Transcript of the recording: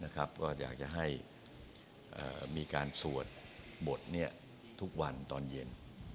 ก็อยากจะให้มีการสวดบททุกวันตอนเย็น